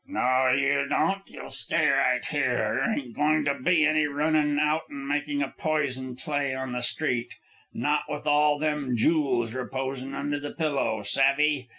"No you don't. You'll stay right here. There ain't goin' to be any runnin' out an' makin' a poison play on the street not with all them jools reposin' under the pillow. Savve?